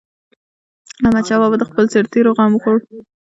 احمدشاه بابا به د خپلو سرتيرو غم خوړ.